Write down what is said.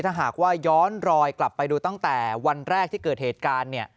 ถ้าหากว่าย้อนรอยกลับไปดูตั้งแต่วันแรกที่เกิดเหตุการณ์เนี่ย